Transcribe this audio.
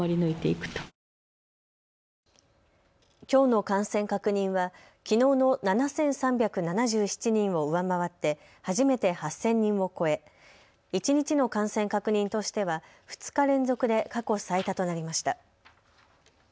きょうの感染確認はきのうの７３７７人を上回って初めて８０００人を超え一日の感染確認としては２日連続で過去最多となりました。